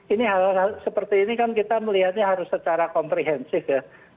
ini hal hal seperti ini kan kita melihatnya harus secara komprehensif ya